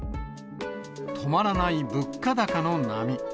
止まらない物価高の波。